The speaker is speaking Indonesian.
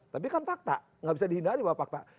tapi kan fakta enggak bisa dihindari pak fakta